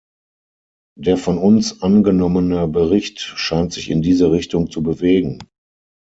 Der von uns angenommene Bericht scheint sich in diese Richtung zu bewegen.